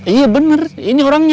iya bener ini orangnya